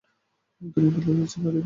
দুনিয়া বদলে যাচ্ছে, কার্ডিনাল।